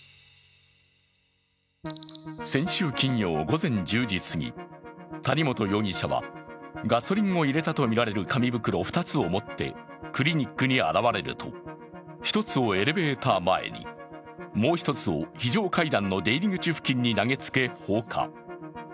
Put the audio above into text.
先週金曜午前１０時すぎ、谷本容疑者はガソリンを入れたとみられる紙袋２つを持ってクリニックに現れると１つをエレベーター前に、もう一つを非常階段の出入り口付近に投げつけ放火。